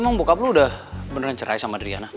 emang bokap lo udah beneran cerai sama daryana